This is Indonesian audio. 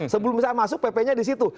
sebelum saya masuk ppnya di situ